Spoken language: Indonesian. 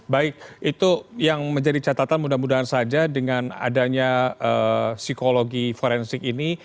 baik itu yang menjadi catatan mudah mudahan saja dengan adanya psikologi forensik ini